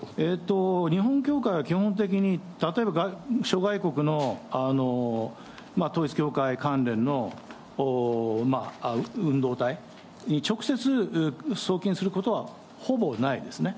日本教会は基本的に例えば諸外国の統一教会関連の運動体に直接送金することはほぼないですね。